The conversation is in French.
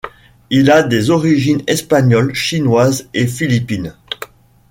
Il a des origines espagnoles, chinoises et philippines.